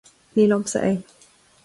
ní liomsa é